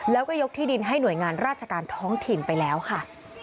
แล้วก็ยกที่ดินให้หน่วยงานราชการท้องถิ่นไปแล้วค่ะ